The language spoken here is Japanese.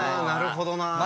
なるほどな。